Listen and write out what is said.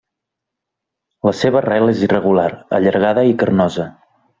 La seva rel és irregular, allargada i carnosa.